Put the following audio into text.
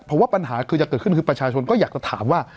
เพราะว่าปัญหาคือจะเกิดขึ้นคือประชาชนก็อยากจะถามว่า